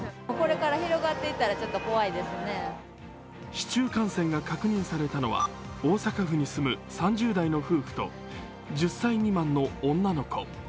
市中感染が確認されたのは大阪府に住む３０代の夫婦と１０歳未満の女の子。